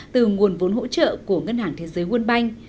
từ nguồn vốn hỗ trợ của ngân hàng thế giới quân banh